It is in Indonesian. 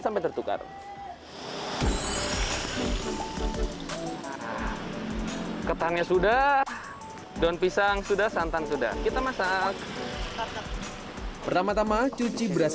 sampai tertukar ketannya sudah daun pisang sudah santan sudah kita masak pertama tama cuci beras